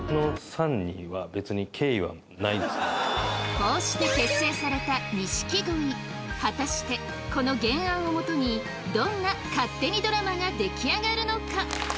こうして結成された錦鯉果たしてこの原案をもとにどんな「勝手にドラマ」が出来上がるのか？